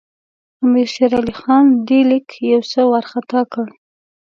امیر شېر علي خان دې لیک یو څه وارخطا کړ.